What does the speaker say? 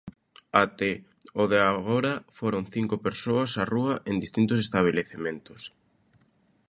Até o de agora foron cinco persoas á rúa en distintos estabelecementos.